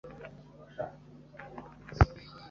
Ibumoso kure ni Andrea Holmes, nyampinga wa trampoline ku isi